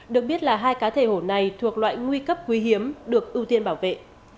được biết là hai cá thể hổ này thuộc loại nguy cấp quý hiếm được ưu tiên bảo vệ